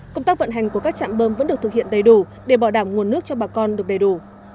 công tác vận hành của các trạm bơm vẫn được thực hiện đầy đủ để bảo đảm nguồn nước cho bà con được đầy đủ